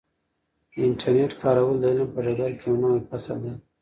د انټرنیټ کارول د علم په ډګر کې یو نوی فصل دی.